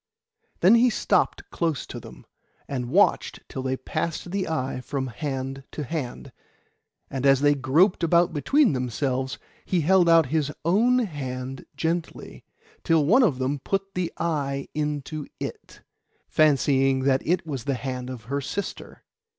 Then he stepped close to them, and watched till they passed the eye from hand to hand. And as they groped about between themselves, he held out his own hand gently, till one of them put the eye into it, fancying that it was the hand of her sister.